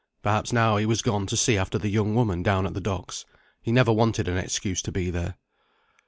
Perhaps now he was gone to see after the young woman down at the docks. He never wanted an excuse to be there.